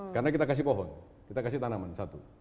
karena kita kasih pohon kita kasih tanaman satu